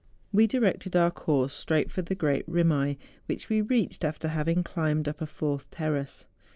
We directed our course straight for the great rimaye, which we reached after having climbed up a fourth terrace.